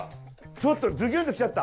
ちょっとズキュンと来ちゃった。